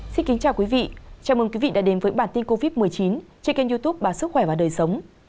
xin kính chào quý vị chào mừng quý vị đã đến với bản tin covid một mươi chín trên kênh youtube bà sức khỏe và đời sống